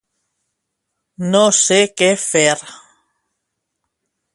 No sé què fer.